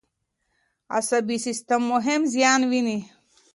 عصبي سیستم هم زیان ویني.